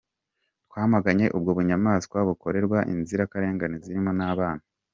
Twamaganye ubwo bunyamaswa bukorerwa inzirakarengane zirimo n’abana.